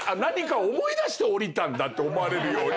て思われるように。